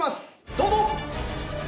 どうぞ！